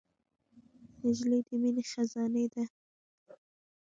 نجلۍ د مینې خزانې ده.